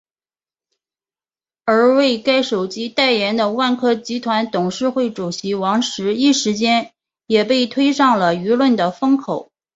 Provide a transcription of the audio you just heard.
而为该手机代言的万科集团董事会主席王石一时间也被推上了舆论的风口。